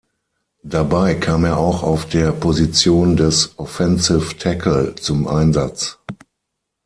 Dabei kam er auch auf der Position des Offensive Tackle zum Einsatz.